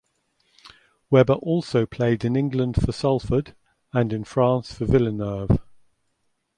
Webber also played in England for Salford and in France for Villeneuve.